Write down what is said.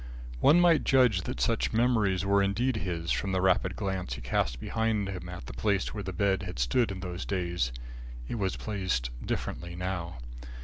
One might judge that such memories were indeed his, from the rapid glance he cast behind him at the place where the bed had stood in those days. It was placed differently now.